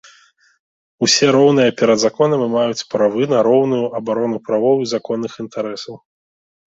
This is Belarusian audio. Усе роўныя перад законам і маюць правы на роўную абарону правоў і законных інтарэсаў.